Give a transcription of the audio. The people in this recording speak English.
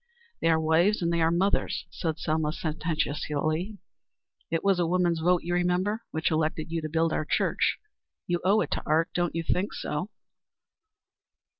"They are wives and they are mothers," said Selma sententiously. "It was a woman's vote, you remember, which elected you to build our church. You owe it to Art; don't you think so?"